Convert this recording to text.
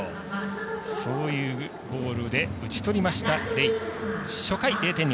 そういうボールで打ち取りましたレイ。